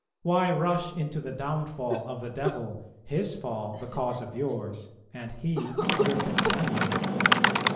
Why rush into the downfall of the devil, his fall the cause of yours, and he your companion?